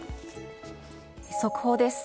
速報です。